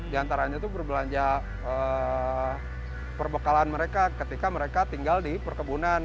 di antaranya itu berbelanja perbekalan mereka ketika mereka tinggal di perkebunan